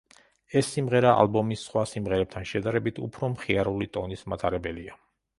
ეს სიმღერა, ალბომის სხვა სიმღერებთან შედარებით, უფრო მხიარული ტონის მატარებელია.